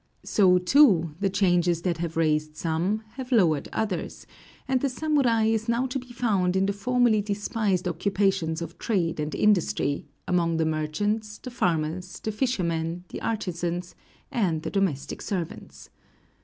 So, too, the changes that have raised some have lowered others, and the samurai is now to be found in the formerly despised occupations of trade and industry, among the merchants, the farmers, the fishermen, the artisans, and the domestic servants.